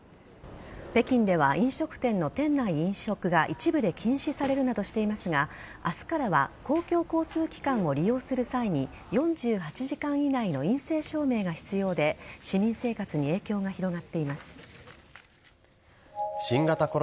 北京では飲食店の店内飲食が一部で禁止されるなどしていますが明日からは公共交通機関を利用する際に４８時間以内の陰性証明が必要で市民生活に影響が広がっています。